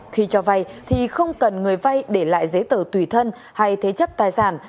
khi cho vai thì không cần người vai để lại giấy tờ tùy thân hay thế chấp tài sản